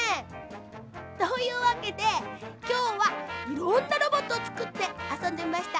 というわけできょうはいろんなロボットをつくってあそんでみました。